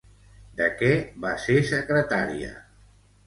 De què va ser secretària?